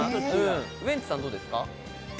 ウエンツさんどうですか？